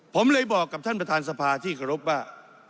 ผมเลยบอกกับท่านประธานสภาที่เคารพว่า